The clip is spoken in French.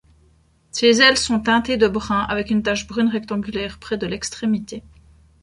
Ses ailes sont teintées de brun avec une tache brune rectangulaire près de l'extrémité.